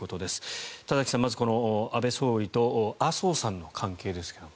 田崎さん、まず安倍総理と麻生さんの関係ですが。